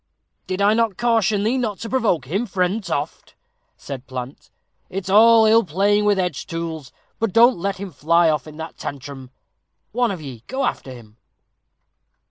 "Did I not caution thee not to provoke him, friend Toft?" said Plant; "it's ill playing with edge tools; but don't let him fly off in that tantrum one of ye go after him."